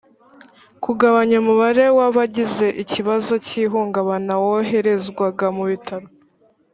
kugabanya umubare w abagize ikibazo cy ihungabana woherezwaga mu bitaro